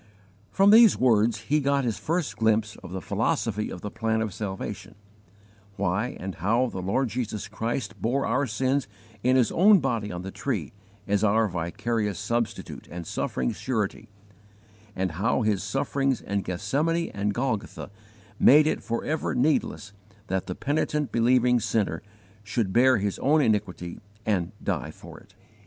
From these words he got his first glimpse of the philosophy of the plan of salvation why and how the Lord Jesus Christ bore our sins in His own body on the tree as our vicarious Substitute and suffering Surety, and how His sufferings in Gethsemane and Golgotha made it forever needless that the penitent believing sinner should bear his own iniquity and die for it.